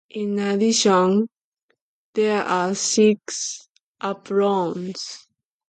In addition, there are six aprons.